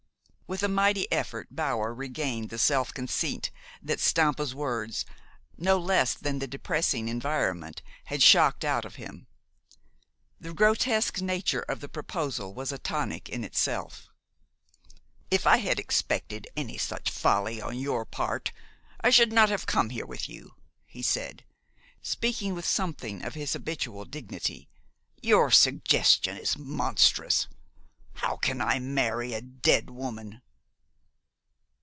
With a mighty effort, Bower regained the self conceit that Stampa's words, no less than the depressing environment, had shocked out of him. The grotesque nature of the proposal was a tonic in itself. "If I had expected any such folly on your part, I should not have come with you," he said, speaking with something of his habitual dignity. "Your suggestion is monstrous. How can I marry a dead woman?"